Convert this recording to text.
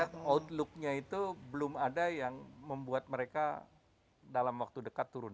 tapi kita lihat outlooknya itu belum ada yang membuat mereka dalam waktu dekat turun